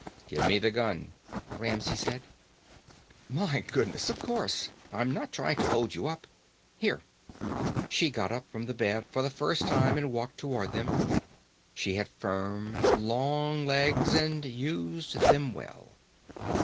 "Give me the gun," Ramsey said. "My goodness, of course. I'm not trying to hold you up. Here." She got up from the bed for the first time and walked toward them. She had firm, long legs, and used them well.